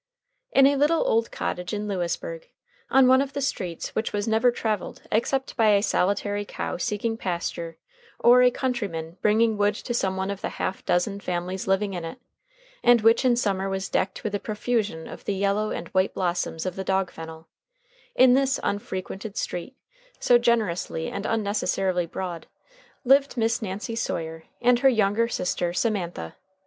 In a little old cottage in Lewisburg, on one of the streets which was never traveled except by a solitary cow seeking pasture or a countryman bringing wood to some one of the half dozen families living in it, and which in summer was decked with a profusion of the yellow and white blossoms of the dog fennel in this unfrequented street, so generously and unnecessarily broad, lived Miss Nancy Sawyer and her younger sister Semantha.